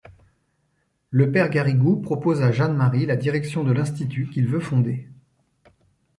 Le père Garrigou propose à Jeanne-Marie la direction de l’Institut qu’il veut fonder.